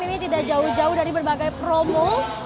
ini tidak jauh jauh dari berbagai promo